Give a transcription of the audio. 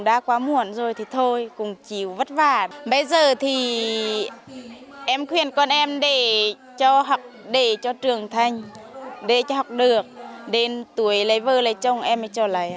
để cho học để cho trưởng thành để cho học được đến tuổi lấy vợ lấy chồng em mới cho lấy